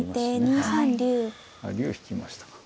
竜引きましたか。